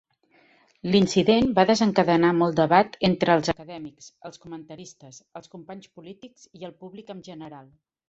L'incident va desencadenar molt debat entre els acadèmics, els comentaristes, els companys polítics i el públic en general.